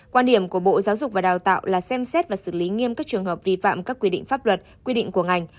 quan điểm của bộ giáo dục và đào tạo là xem xét và xử lý nghiêm các trường hợp vi phạm các quy định pháp luật quy định của ngành